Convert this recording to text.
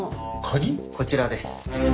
こちらです。